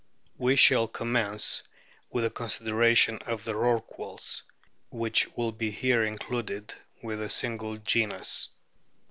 f We shall commence with a con sideration of the Rorquals, which will be here included within a single genus.